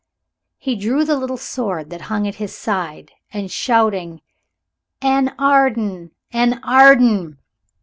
He drew the little sword that hung at his side and shouting "An Arden! an Arden!"